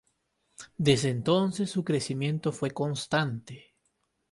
Desde entonces su crecimiento fue constante.